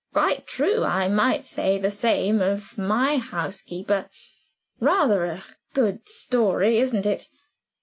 Quite true I might say the same of my housekeeper. Rather a good story, isn't it?"